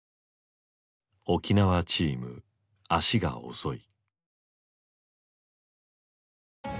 「沖縄チーム足が遅い」。